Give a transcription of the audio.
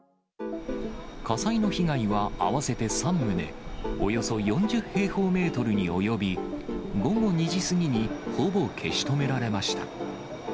火災の被害は合わせて３棟、およそ４０平方メートルに及び、午後２時過ぎにほぼ消し止められました。